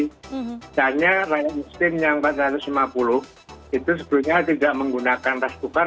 misalnya rakyat meskin yang empat ratus lima puluh itu sebelumnya tidak menggunakan raspoker